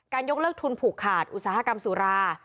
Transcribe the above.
ยกเลิกทุนผูกขาดอุตสาหกรรมสุรา